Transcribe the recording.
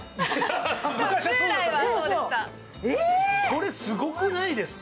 これすごくないですか？